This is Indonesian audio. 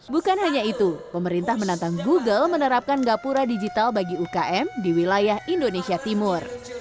bukan hanya itu pemerintah menantang google menerapkan gapura digital bagi ukm di wilayah indonesia timur